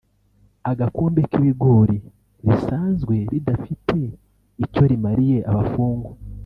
agakombe k’ibigori risanzwe ridafite icyo rimariye abafungwa